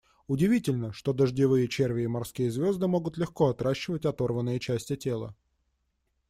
Удивительно, что дождевые черви и морские звезды могут легко отращивать оторванные части тела.